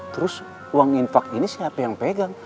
terus uang infak ini siapa yang pegang